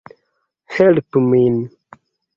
Helpu min!